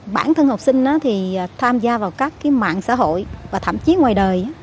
bản thân học sinh thì tham gia vào các mạng xã hội và thậm chí ngoài đời